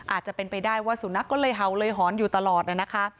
อาจจะเป็นไปได้ว่าสุนัขก็เลยเห่าเลยหอนอยู่ตลอดนะคะ